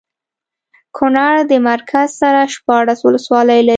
کونړ د مرکز سره شپاړس ولسوالۍ لري